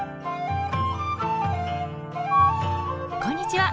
こんにちは！